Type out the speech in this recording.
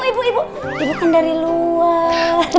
eh ibu ibu ibu ibu kan dari luar